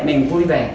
mình vui vẻ